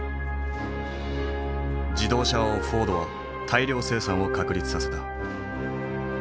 自動車王フォードは大量生産を確立させた。